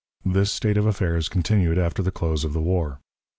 This state of affairs continued after the close of the war.